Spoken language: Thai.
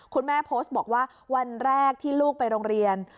คุณแม่โพสต์บอกว่าวันแรกที่ลูกไปโรงเรียน